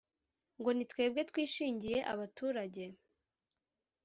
ngo ni twebwe twishingiye abaturage